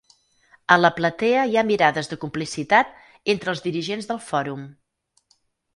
A la platea hi ha mirades de complicitat entre els dirigents del Fòrum.